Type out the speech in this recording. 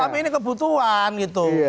tapi ini kebutuhan gitu